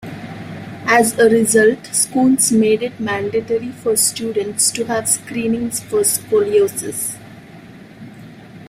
As a result, schools made it mandatory for students to have screenings for scoliosis.